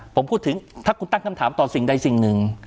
ผมพูดถึงถ้าคุณตั้งคำถามต่อสิ่งใดสิ่งหนึ่ง